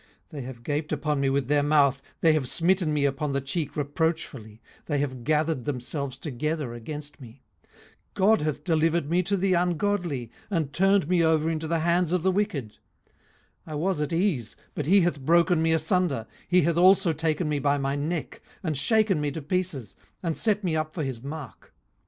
18:016:010 They have gaped upon me with their mouth; they have smitten me upon the cheek reproachfully; they have gathered themselves together against me. 18:016:011 God hath delivered me to the ungodly, and turned me over into the hands of the wicked. 18:016:012 I was at ease, but he hath broken me asunder: he hath also taken me by my neck, and shaken me to pieces, and set me up for his mark.